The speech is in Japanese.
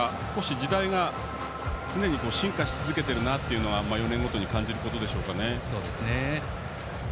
時代が常に進化し続けているというのが４年ごとに感じることでしょうかね。